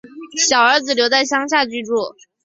小儿子留在乡下居住